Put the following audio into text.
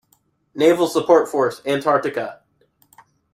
Naval Support Force Antarctica.